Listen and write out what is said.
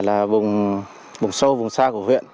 là vùng sâu vùng xa của huyện